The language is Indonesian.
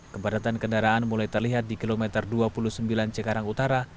kepadatan kendaraan mulai terlihat di kilometer dua puluh sembilan cikarang utara